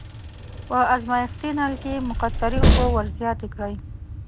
په ازمایښتي نل کې مقطرې اوبه ور زیاتې کړئ.